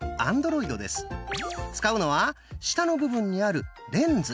使うのは下の部分にある「レンズ」。